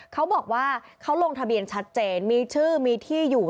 เขาบอกว่าเขาลงทะเบียนชัดเจนมีชื่อมีที่อยู่